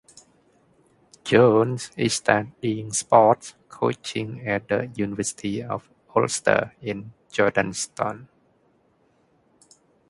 Jones is studying sports coaching at the University of Ulster in Jordanstown.